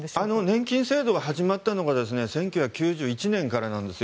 年金制度が始まったのが１９９１年からなんです。